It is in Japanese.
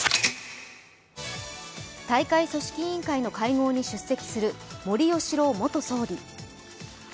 大会組織委員会の会合に出席する森喜朗元総理。